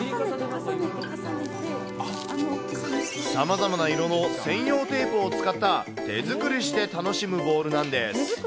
さまざまな色の専用テープを使った、手作りして楽しむボールなんです。